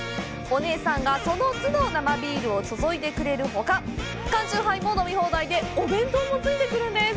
お姉さんがその都度生ビールを注いでくれるほか、缶チューハイも飲み放題で、お弁当もついてくるんです。